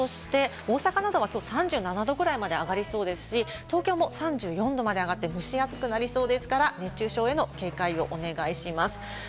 そして大阪などは、きょう３７度ぐらいまで上がりそうですし、東京も３４度まで上がって、蒸し暑くなりそうですから熱中症への警戒をお願いします。